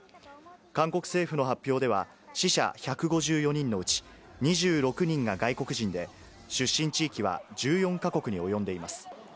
韓国政府の発表では、死者１５４人のうち２６人が外国人で、出身地域は１４か国に及んでいます。